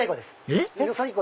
えっ⁉